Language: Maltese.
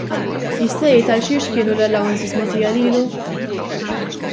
Jista' jgħid għalxiex kienu l-allowances mogħtija lilu?